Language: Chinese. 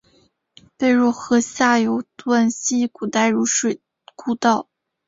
北汝河下游段系古代汝水故道。